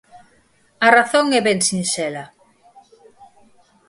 A razón é ben sinxela.